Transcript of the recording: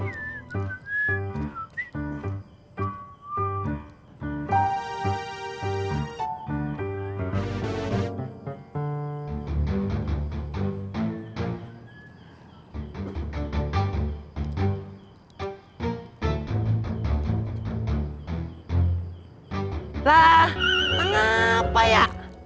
tidak ada yang lebih baik